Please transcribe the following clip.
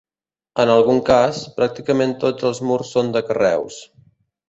En algun cas, pràcticament tots els murs són de carreus.